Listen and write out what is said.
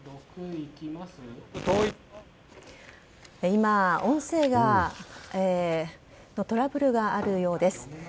今、音声のトラブルがあるようです。